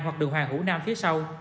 hoặc đường hoàng hữu nam phía sau